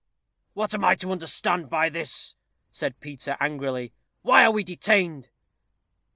"What am I to understand by this?" said Peter, angrily. "Why are we detained?"